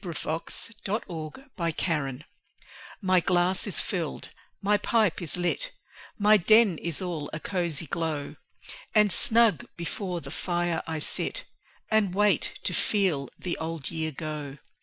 The Passing of the Year My glass is filled, my pipe is lit, My den is all a cosy glow; And snug before the fire I sit, And wait to FEEL the old year go.